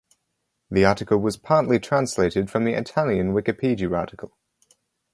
The article was partly translated from the Italian Wikipedia article.